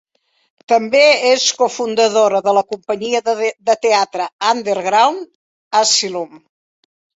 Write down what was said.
També és cofundadora de la companyia de teatre Underground Asylum.